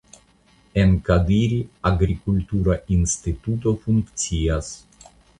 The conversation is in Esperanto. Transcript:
En Kadiri agrikultura instituto funkcias.